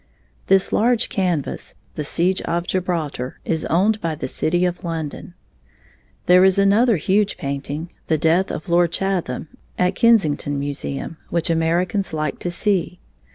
This large canvas, "The Siege of Gibraltar", is owned by the city of London. There is another huge painting, "The Death of Lord Chatham", at Kensington Museum, which Americans like to see.